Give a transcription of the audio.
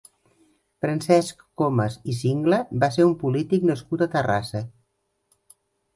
Francesc Comas i Singla va ser un polític nascut a Terrassa.